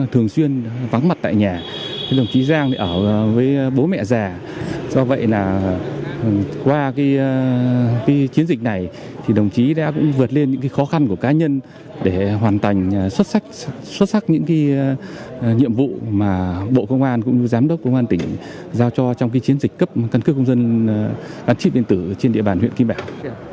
trong chiến dịch này đồng chí đã vượt lên những khó khăn của cá nhân để hoàn thành xuất sắc những nhiệm vụ mà bộ công an cũng như giám đốc công an tỉnh giao cho trong chiến dịch cấp căn cứ công dân gắn chip điện tử trên địa bàn huyện kim bảng